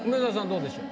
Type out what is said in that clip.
どうでしょう？